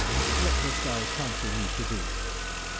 What dost thou counsel me to do?"